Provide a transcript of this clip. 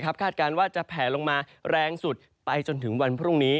คาดการณ์ว่าจะแผลลงมาแรงสุดไปจนถึงวันพรุ่งนี้